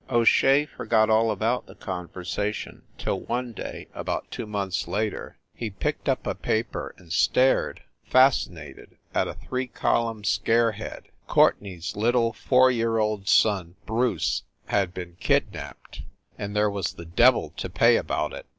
O Shea forgot all about the conversation till one day, about two months later, he picked up a paper and stared, fascinated, at a three column scare head. Courtenay s little four year old son Bruce had been kidnapped and there was the devil to pay about it.